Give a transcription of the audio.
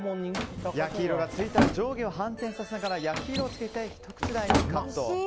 焼き色がついたら上下を反転させながら焼き色をつけてひと口大にカット。